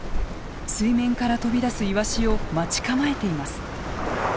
水面から飛び出すイワシを待ち構えています。